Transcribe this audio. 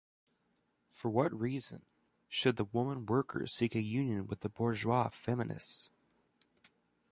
For what reason... should the woman worker seek a union with the bourgeois feminists?